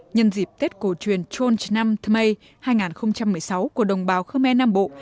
nhân dịp tết cổ truyền chon ch nam tmei hai nghìn một mươi sáu của đồng bào khmer nam bộ